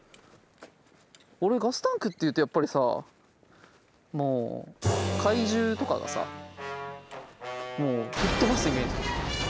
俺ガスタンクっていうとやっぱりさもう怪獣とかがさ吹っ飛ばすイメージ。